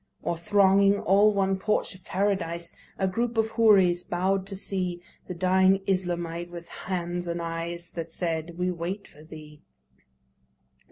Or thronging all one porch of Paradise A group of Houris bow'd to see The dying Islamite, with hands and eyes That said, We wait for thee.